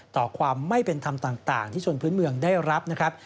ต่อความไม่เป็นธรรมต่างที่ชนพื้นเมืองได้รับนะครับ